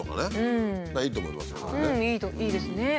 いいですね。